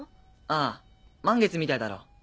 ああ満月みたいだろ。